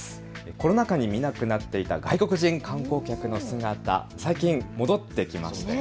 コロナ禍に見なくなっていた外国人観光客の姿が最近、戻ってきましたよね。